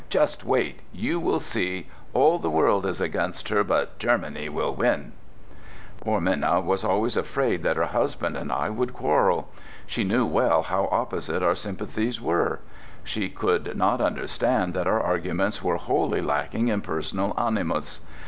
"Just wait! You will see! All the world is against her, but Germany will win!" Poor Minna was always afraid her husband and I would quarrel. She knew well how opposite our sympathies were; she could not understand that our arguments were wholly lacking in personal animus.